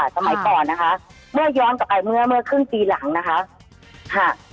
สมัยก่อนนะคะเมื่อย้อนกลับไปเมื่อเมื่อครึ่งปีหลังนะคะค่ะ